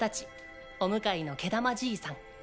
お向かいの毛玉じいさん。